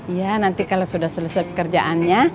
iya nanti kalau sudah selesai pekerjaannya